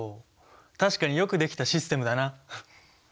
確かによくできたシステムだな！